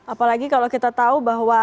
apalagi kalau kita tahu bahwa